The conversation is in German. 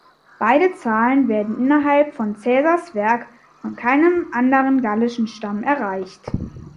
Beide Zahlen werden innerhalb von Caesars Werk von keinem anderen gallischen Stamm erreicht.